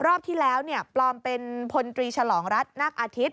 รอบที่แล้วปลอมเป็นพลตรีฉลองรัฐนาคอาทิตย์